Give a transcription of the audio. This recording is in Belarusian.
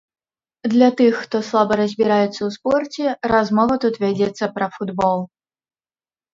Для тых, хто слаба разбіраецца ў спорце, размова тут вядзецца пра футбол.